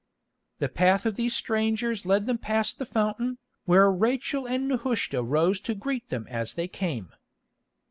The path of these strangers led them past the fountain, where Rachel and Nehushta rose to greet them as they came.